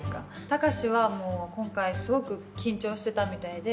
高志は今回すごく緊張してたみたいで。